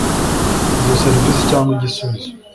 izo serivisi cyangwa igisubizo